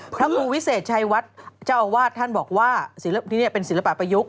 พระครูวิเศษชัยวัดเจ้าอาวาสท่านบอกว่าที่นี่เป็นศิลปะประยุกต์